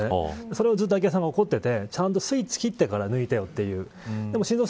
それをずっと昭恵さんが怒っててちゃんとスイッチ切ってから抜いてよって。